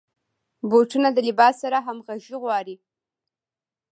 بوټونه د لباس سره همغږي غواړي.